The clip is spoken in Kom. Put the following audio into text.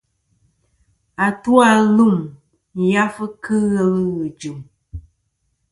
Atu-a lum yafɨ kɨ ghelɨ ghɨ̀ jɨ̀m.